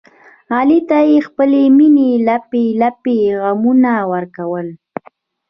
علي ته یې خپلې مینې لپې لپې غمونه ورکړل.